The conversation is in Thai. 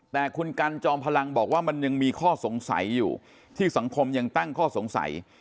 แต่คุณกันจอมพลังบอกว่ามันยังมีข้อสงสัยอยู่ที่สังคมยังตั้งข้อสงสัย